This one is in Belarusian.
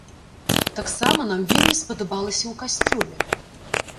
Таксама нам вельмі спадабалася ў касцёле.